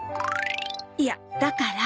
いやだから。